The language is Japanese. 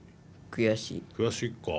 悔しいか。